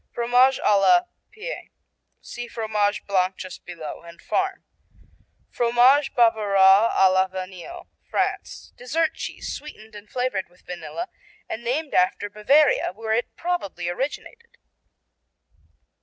Fromage à la Pie see Fromage Blanc just below, and Farm Fromage Bavarois à la Vanille France Dessert cheese sweetened and flavored with vanilla and named after Bavaria where it probably originated.